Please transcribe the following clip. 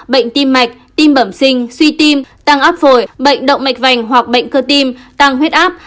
bệnh tim mạch tim bẩm sinh suy tim tăng áp phổi bệnh động mạch vành hoặc bệnh cơ tim tăng huyết áp